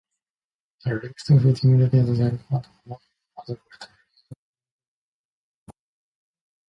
A remix featuring rappers Jadakiss and Fabolous was later released promotionally but never commercially.